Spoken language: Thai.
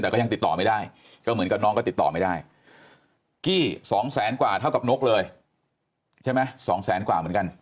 แต่ก็ยังติดต่อไม่ได้ก็เหมือนกับน้องก็ติดต่อไม่ได้กี้๒แสนกว่าเท่ากับนกเลยใช่ไหมสองแสนกว่าเหมือนกัน